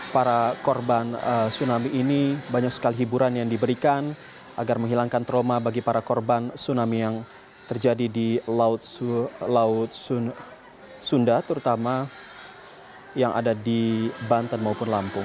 para korban tsunami ini banyak sekali hiburan yang diberikan agar menghilangkan trauma bagi para korban tsunami yang terjadi di laut sunda terutama yang ada di banten maupun lampung